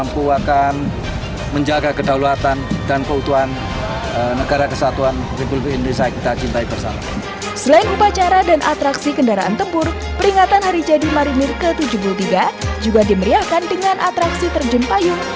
selain upacara dan atraksi kendaraan tempur peringatan hari jadi marinir ke tujuh puluh tiga juga dimeriahkan dengan atraksi terjun payung